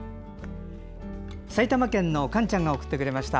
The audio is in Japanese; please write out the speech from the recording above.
埼玉県のカンちゃんが送ってくれました。